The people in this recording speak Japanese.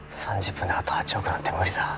３０分であと８億なんて無理だ